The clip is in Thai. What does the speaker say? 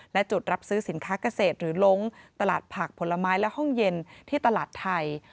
และจุดรับซื้อสินค้าเกษตรหรือล้งตลาดผักผลไม้และห้องเย็นที่ตลาดไทย